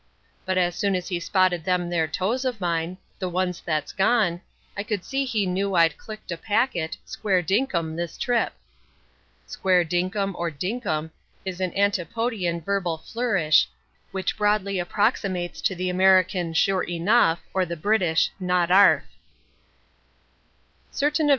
But as soon as he spotted them there toes of mine the ones that's gone I could see he knew I'd clicked a packet, square dinkum, this trip." ("Square dinkum" or "dinkum" is an Antipodean verbal flourish, which broadly approximates to the American "Sure enough" or the English "Not 'arf.")